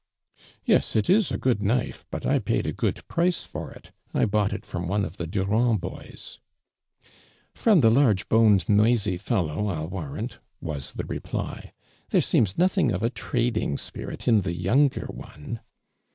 " Yes, it is a good knife, but I paid a good price for it ! I bought it from one of the Durand boys,'' " From the large boned noisy fellow, Til warrant!" was the reply. "There seems nothing of a trading spirit in the younger one.''